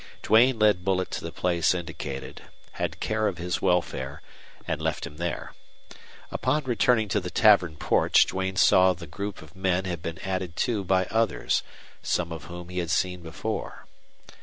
Duane led Bullet to the place indicated, had care of his welfare, and left him there. Upon returning to the tavern porch Duane saw the group of men had been added to by others, some of whom he had seen before.